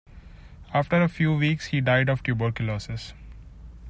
After a few weeks, he died of tuberculosis.